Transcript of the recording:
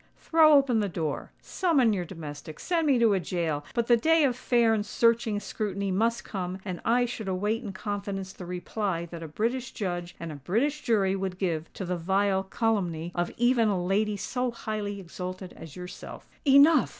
Throw open the door—summon your domestics—send me to a gaol!—but the day of fair and searching scrutiny must come—and I should await in confidence the reply that a British judge and a British jury would give to the vile calumny of even a lady so highly exalted as yourself!" "Enough!"